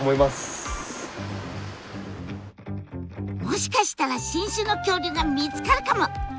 もしかしたら新種の恐竜が見つかるかも！